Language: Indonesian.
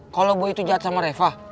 kalau bu itu jahat sama reva